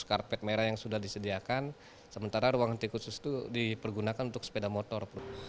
karpet merah yang sudah disediakan sementara ruang henti khusus itu dipergunakan untuk sepeda motor